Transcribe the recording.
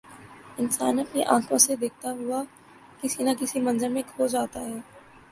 انسان اپنی آنکھوں سے دیکھتا ہوا کسی نہ کسی منظر میں کھو جاتا ہے۔